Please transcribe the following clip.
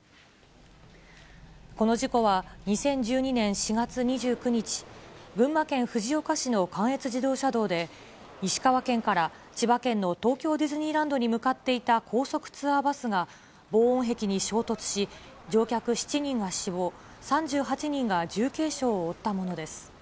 この事故は、２０１２年４月２９日、群馬県藤岡市の関越自動車道で、石川県から千葉県の東京ディズニーランドに向かっていた高速ツアーバスが、防音壁に衝突し乗客７人が死亡、３８人が重軽傷を負ったものです。